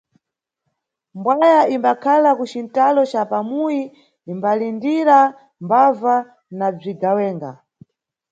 Mbwaya imbakhala kuxintalo ca pamuyi imbalindirira mbava na bzigawenga.